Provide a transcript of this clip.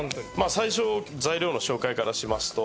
最初材料の紹介からしますと車エビね。